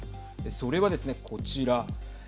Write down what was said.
それはですね、こちら。